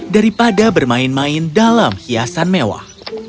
daripada bermain main dalam hiasan mewah